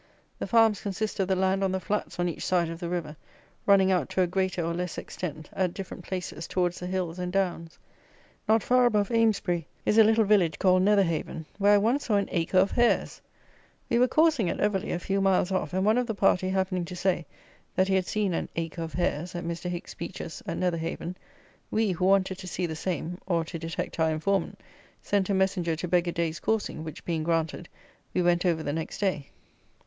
The farms consist of the land on the flats on each side of the river, running out to a greater or less extent, at different places, towards the hills and downs. Not far above Amesbury is a little village called Netherhaven, where I once saw an acre of hares. We were coursing at Everly, a few miles off; and one of the party happening to say, that he had seen "an acre of hares" at Mr. Hicks Beech's at Netherhaven, we, who wanted to see the same, or to detect our informant, sent a messenger to beg a day's coursing, which being granted, we went over the next day.